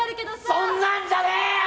そんなんじゃねえよ！